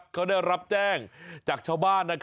เขาได้รับแจ้งจากชาวบ้าน